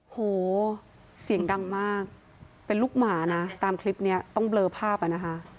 โหเสียงดังมากเป็นลูกหมานะตามคลิปเนี้ยต้องเบลอภาพอ่ะนะคะ